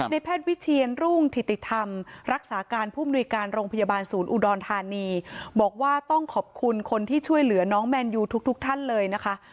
แพทย์วิเชียนรุ่งถิติธรรมรักษาการผู้มนุยการโรงพยาบาลศูนย์อุดรธานีบอกว่าต้องขอบคุณคนที่ช่วยเหลือน้องแมนยูทุกท่านเลยนะคะ